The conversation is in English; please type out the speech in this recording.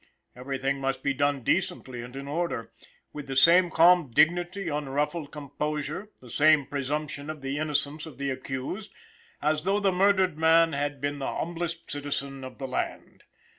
Everything must be done decently and in order, with the same calm dignity, unruffled composure, the same presumption of the innocence of the accused, as though the murdered man had been the humblest citizen of the land.